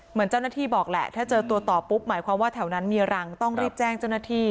เหมือนเจ้าหน้าที่บอกแหละถ้าเจอตัวต่อปุ๊บหมายความว่าแถวนั้นมีรังต้องรีบแจ้งเจ้าหน้าที่